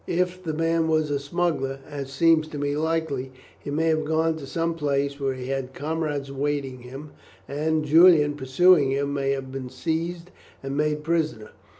If the man was a smuggler, as seems to me likely, he may have gone to some place where he had comrades awaiting him, and, Julian pursuing him, may have been seized and made prisoner.